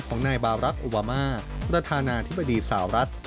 ของนายบารักษ์โอบามาประธานาธิบดีสาวรัฐ